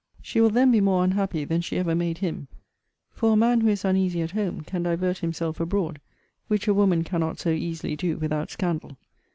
She will then be more unhappy than she ever made him; for a man who is uneasy at home, can divert himself abroad; which a woman cannot so easily do, without scandal.